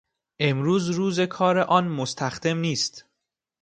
امروز روز کار آن مستخدم نیست.